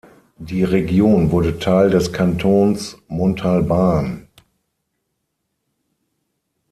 Die Region wurde Teil des Kantons Montalbán.